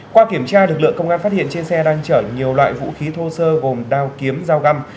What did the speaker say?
qua kiểm tra lực lượng công an phát hiện trên xe đang chở nhiều loại vũ khí thô sơ gồm đao kiếm dao găm